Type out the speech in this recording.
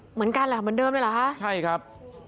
เหมือนกันเหรอเหมือนเดิมเลยเหรอคะใช่ครับ